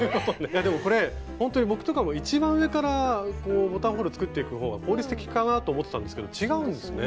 でもこれほんとに僕とかも一番上からボタンホール作っていくほうが効率的かなと思ってたんですけど違うんですね。